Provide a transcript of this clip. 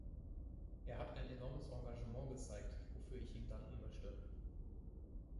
Er hat enormes Engagement gezeigt, wofür ich ihm danken möchte.